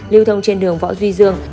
liêu thông trên đường võ duy dương